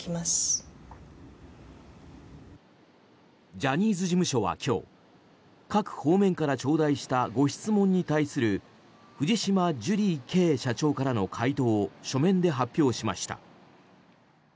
ジャニーズ事務所は今日各方面から頂戴したご質問に対する藤島ジュリーＫ．社長からの回答を書面で発表しました。